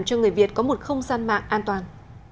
cho người việt có một không gian mạng an toàn